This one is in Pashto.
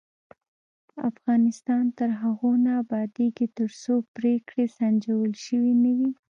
افغانستان تر هغو نه ابادیږي، ترڅو پریکړې سنجول شوې نه وي.